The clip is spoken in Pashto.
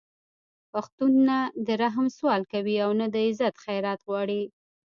پښتون نه د رحم سوال کوي او نه د عزت خیرات غواړي